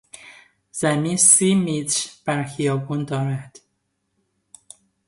زمین سی متر بر خیابان دارد.